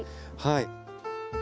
はい。